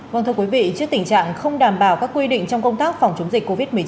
vâng thưa quý vị trước tình trạng không đảm bảo các quy định trong công tác phòng chống dịch covid một mươi chín